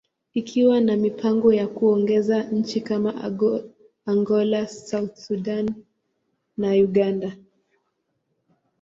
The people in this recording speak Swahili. ikiwa na mipango ya kuongeza nchi kama Angola, South Sudan, and Uganda.